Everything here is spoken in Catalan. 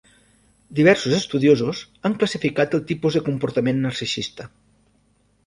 Diversos estudiosos han classificat els tipus de comportament narcisista.